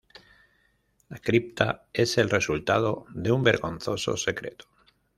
La cripta es el resultado de un vergonzoso secreto.